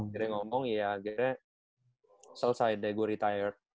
akhirnya ngomong ya akhirnya selesai deh gue retired